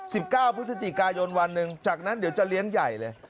สิบเก้าพฤศจิกายนวันหนึ่งจากนั้นเดี๋ยวจะเลี้ยงใหญ่เลย